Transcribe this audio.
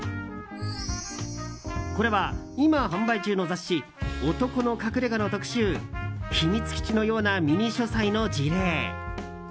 これは、今販売中の雑誌「男の隠れ家」の特集「秘密基地のようなミニ書斎。」の事例。